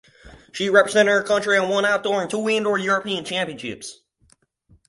She represented her country at one outdoor and two indoor European Championships.